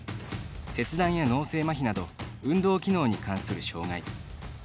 切断や脳性まひなど運動機能に関する障がい。